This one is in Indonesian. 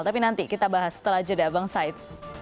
tapi nanti kita bahas setelah jeda bang said